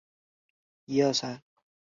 派瑞在正式出道前有过小成功。